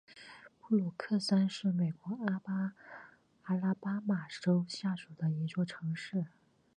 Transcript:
布鲁克山是美国阿拉巴马州下属的一座城市。